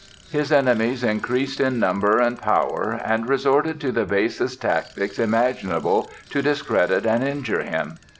His enemies increased in number and power and resorted to the basest tactics imaginable to discredit and injure him.